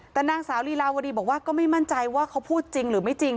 แต่นางสาวลีลาวดีบอกว่าก็ไม่มั่นใจว่าเขาพูดจริงหรือไม่จริง